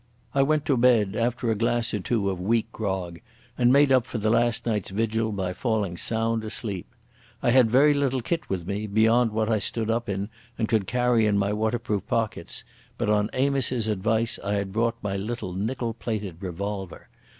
I went to bed after a glass or two of weak grog, and made up for the last night's vigil by falling sound asleep. I had very little kit with me, beyond what I stood up in and could carry in my waterproof pockets, but on Amos's advice I had brought my little nickel plated revolver.